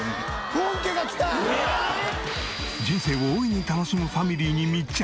人生を大いに楽しむファミリーに密着！